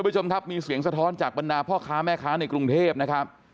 ผู้ชมครับมีเสียงสะท้อนจากบรรดาพ่อค้าแม่ค้าในกรุงเทพนะครับ